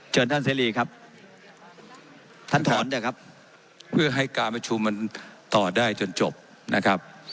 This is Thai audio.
เชิญท่านเสรีครับท่านถอนเถอะครับเพื่อให้การประชุมมันต่อได้จนจบนะครับ